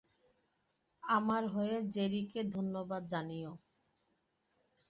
আমার হয়ে জেরিকে ধন্যবাদ জানিও।